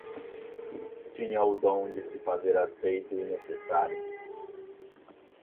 Tinha o dom de se fazer aceito e necessário;